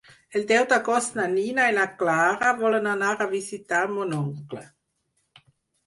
El deu d'agost na Nina i na Clara volen anar a visitar mon oncle.